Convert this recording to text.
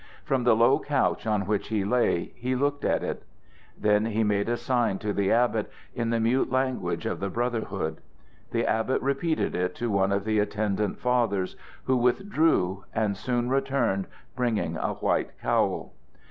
From the low couch on which he lay he looked at it. Then he made a sign to the abbot, in the mute language of the brotherhood. The abbot repeated it to one of the attendant fathers, who withdrew and soon returned, bringing a white cowl.